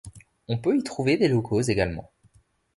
On peut y trouver des locaux également.